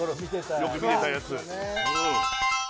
よく見てたやつ。